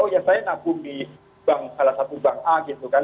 oh ya saya nabung di bank salah satu bank a gitu kan